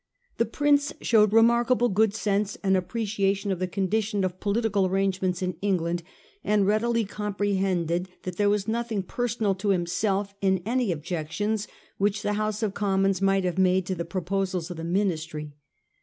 The Prince showed remark able good sense and appreciation of the condition of political arrangements in England, and readily com prehended that there was nothing personal to himself in any objections which the House of Commons might have made to the proposals of the Ministry.